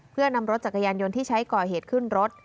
เพื่อนำรถจักรยานยนต์ที่ใช้ก่อเหตุขึ้นรถ